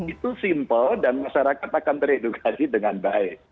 itu simpel dan masyarakat akan teredukasi dengan baik